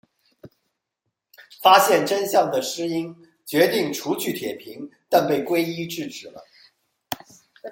发现真相的诗音决定除去铁平但被圭一制止了。